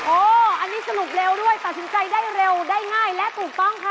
อันนี้สรุปเร็วด้วยตัดสินใจได้เร็วได้ง่ายและถูกต้องค่ะ